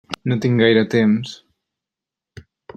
No tinc gaire temps.